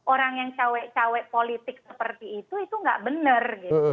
orang yang cewek cewek politik seperti itu itu gak benar